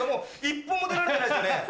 一歩も出られてないですよね。